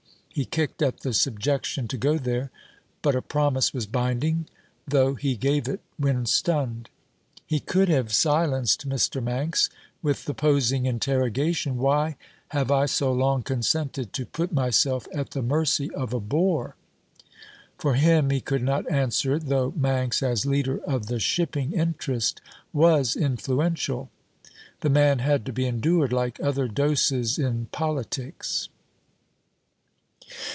He kicked at the subjection to go there, but a promise was binding, though he gave it when stunned. He could have silenced Mr. Manx with the posing interrogation: Why have I so long consented to put myself at the mercy of a bore? For him, he could not answer it, though Manx, as leader of the Shipping interest, was influential. The man had to be endured, like other doses in politics.